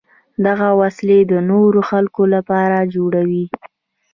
دغه وسلې د نورو خلکو لپاره جوړوي.